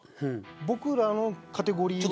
僕らのカテゴリーは。